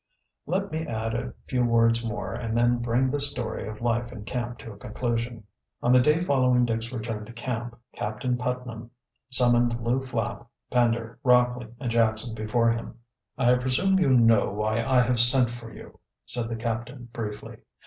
Let me add a few words more and then bring this story of life in camp to a conclusion. On the day following Dick's return to camp Captain Putnam summoned Lew Flapp, Pender, Rockley, and Jackson before him. "I presume you know why I have sent for you," said the captain briefly.